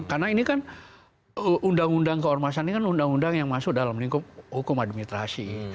karena ini kan undang undang keormasan ini kan undang undang yang masuk dalam lingkungan hukum administrasi